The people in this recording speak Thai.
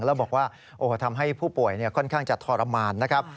แล้วบอกว่าทำให้ผู้ป่วยค่อนข้างจะทรมานนะครับ